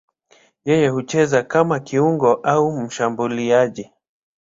Yeye hucheza kama kiungo au mshambuliaji.